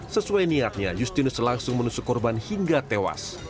sesuai niatnya justinus langsung menusuk korban hingga tewas